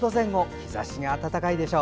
日ざしが暖かいでしょう。